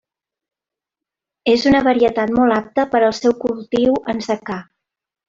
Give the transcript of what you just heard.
És una varietat molt apta per al seu cultiu en secà.